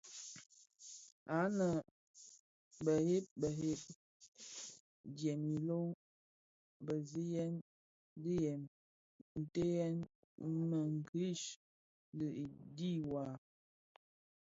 Anë bé ghèn ghèn dièm iloh mpeziyen dhiyèm ntëghèn mikrighe dhi duwa.